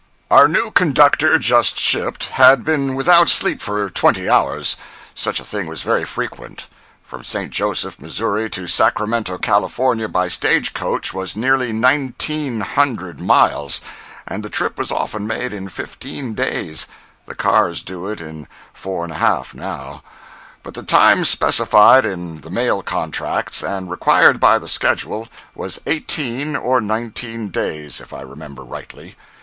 Our new conductor (just shipped) had been without sleep for twenty hours. Such a thing was very frequent. From St. Joseph, Missouri, to Sacramento, California, by stage coach, was nearly nineteen hundred miles, and the trip was often made in fifteen days (the cars do it in four and a half, now), but the time specified in the mail contracts, and required by the schedule, was eighteen or nineteen days, if I remember rightly.